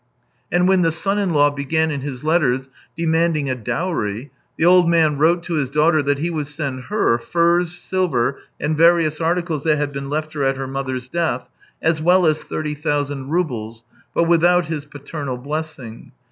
And when the son in law began in his letters demanding a dowry, the old man wrote to his daughter that he would send her furs, silver, and various articles that had been left at her mother's death, as well as thirty thousand roubles, but without his paternal blessing.